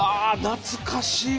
懐かしい！